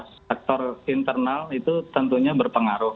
sektor internal itu tentunya berpengaruh